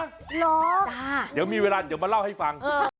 เหรอจ้ะเดี๋ยวมีเวลาจะมาเล่าให้ฟัง